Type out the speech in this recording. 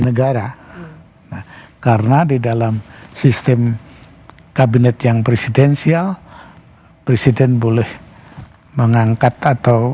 negara nah karena di dalam sistem kabinet yang presidensial presiden boleh mengangkat atau